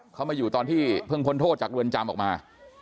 เขามาอยู่ตอนที่เพิ่งพ้นโทษจากเรือนจำออกมา